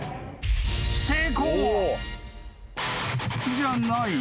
［じゃない？